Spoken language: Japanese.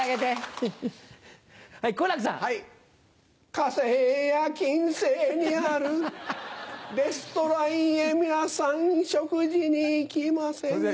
火星や金星にあるレストランへ皆さん食事に行きませんか？